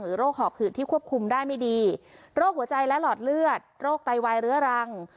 โรคหอบหืดที่ควบคุมได้ไม่ดีโรคหัวใจและหลอดเลือดโรคไตวายเรื้อรัง